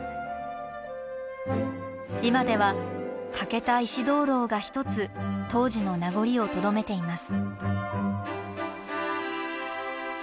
今では欠けた石灯籠が一つ当時の名残をとどめています。